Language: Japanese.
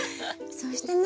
そしてね